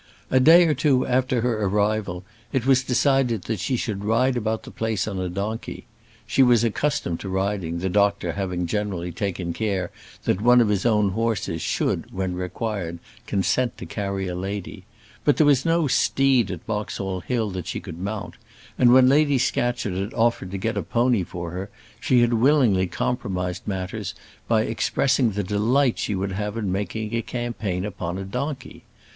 A day or two after her arrival it was decided that she should ride about the place on a donkey; she was accustomed to riding, the doctor having generally taken care that one of his own horses should, when required, consent to carry a lady; but there was no steed at Boxall Hill that she could mount; and when Lady Scatcherd had offered to get a pony for her, she had willingly compromised matters by expressing the delight she would have in making a campaign on a donkey.